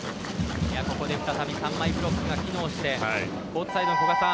ここで再び３枚ブロックが機能してコートサイドの古賀さん